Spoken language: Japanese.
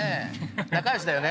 仲良しだよね。